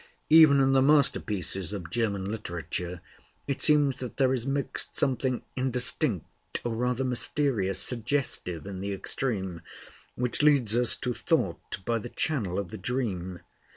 Even in the masterpieces of German literature it seems that there is mixed something indistinct, or rather mysterious, suggestive in the extreme, which leads us to thought by the channel of the dream.